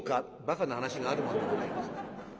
バカな噺があるもんでございますが。